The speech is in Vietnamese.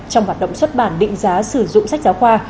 trong hoạt động xuất bản định giá sử dụng sách giáo khoa